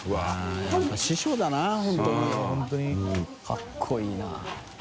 かっこいいな。